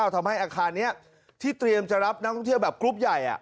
ทำให้อาคารนี้ที่เตรียมจะรับนักท่องเที่ยวแบบกรุ๊ปใหญ่